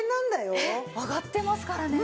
上がってますからね。